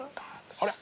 あれ？